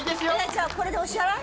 じゃあこれでお支払い？